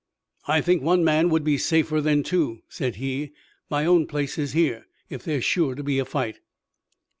"I think one man would be safer than two," said he. "My own place is here if there's sure to be a fight."